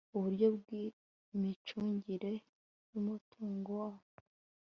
uburyo bw'imicungire y'umutungo wabo